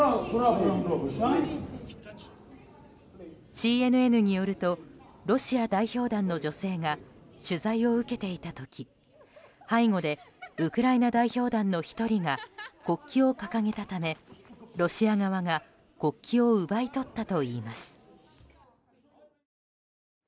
ＣＮＮによるとロシア代表団の女性が取材を受けていた時背後でウクライナ代表団の１人が国旗を掲げたためロシア側が国旗を奪い取ったといいます。